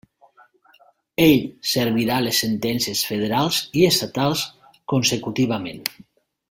Ell servirà les sentències federals i estatals consecutivament.